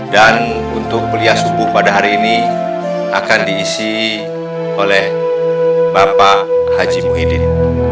dan untuk kuliah subuh pada hari ini akan diisi oleh bapak haji muhyiddin